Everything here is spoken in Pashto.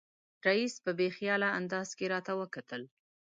رییس په بې خیاله انداز کې راته وکتل.